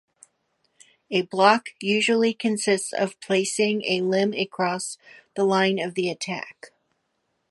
A block usually consists of placing a limb across the line of the attack.